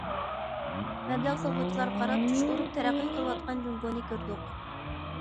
مەبلەغ سالغۇچىلارغا قاراپ جۇش ئۇرۇپ تەرەققىي قىلىۋاتقان جۇڭگونى كۆردۇق.